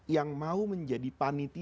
yang mau menjadi panitik